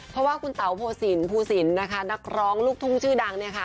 เพราะว่าคุณเต๋าโพสินภูสินนะคะนักร้องลูกทุ่งชื่อดังเนี่ยค่ะ